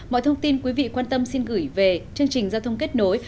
mọi thông tin quý vị quan tâm xin gửi về chương trình giao thông kết nối